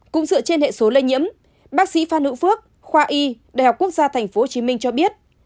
cũng dựa trên hệ số lây nhiễm bác sĩ phan hữu phước khoa y đại học quốc gia tp hcm cho biết